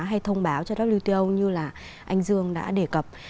hay thông báo cho wto như là anh dương đã đề cập